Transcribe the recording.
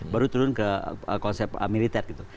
baru turun ke konsep militer gitu